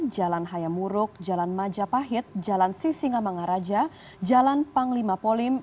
jalan hayamuruk jalan majapahit jalan sisingamangaraja jalan panglima polim